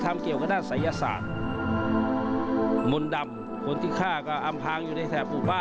มีรู้และมีร่วมแก่สะกดไป